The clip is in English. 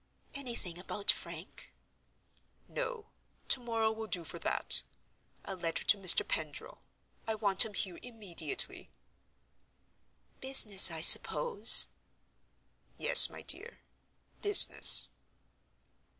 "Anything about Frank?" "No: to morrow will do for that. A letter to Mr. Pendril. I want him here immediately." "Business, I suppose?" "Yes, my dear—business."